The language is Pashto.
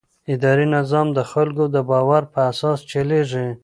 اداري نظام د خلکو د باور پر اساس چلېږي.